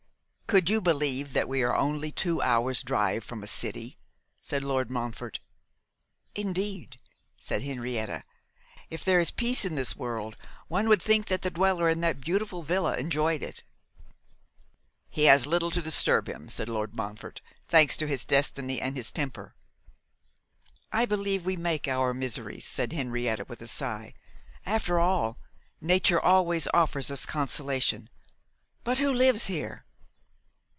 'Could you believe we were only two hours' drive from a city?' said Lord Montfort. 'Indeed,' said Henrietta, 'if there be peace in this world, one would think that the dweller in that beautiful villa enjoyed it.' 'He has little to disturb him,' said Lord Montfort: 'thanks to his destiny and his temper.' 'I believe we make our miseries,' said Henrietta, with a sigh. 'After all, nature always offers us consolation. But who lives here?